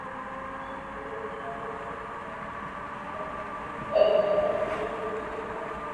তিনি শুধু দুঃসাহসিক অভিযাত্রীই নন, একজন সাংবাদিক, প্রশিক্ষক এবং সদা হাস্যোজ্জ্বল ব্যক্তিত্ব।